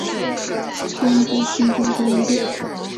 捐资新建观音殿。